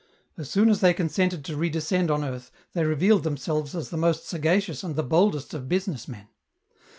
As soon as they consented to redescend on earth they revealed them selves as the most sagacious and the boldest of business men.